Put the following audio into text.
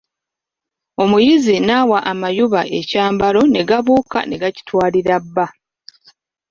Omukazi n'awa amayuba ekyambalo ne gabuuka ne gakitwalira bba.